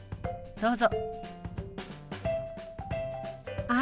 どうぞ。